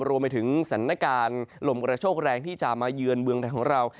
รวมไปถึงสถานการณ์ลมกระโชคแรงที่จะมาเยือนเมืองไทยของเรา